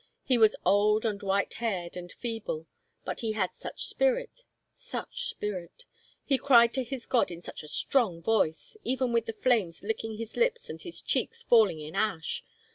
He was old and white haired and feeble, but he had such spirit ... such spirit. He cried to his God in such a strong voice — even with the flames licking his lips and his cheeks falling in ash.